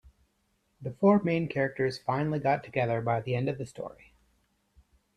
The four main characters finally got together by the end of the story.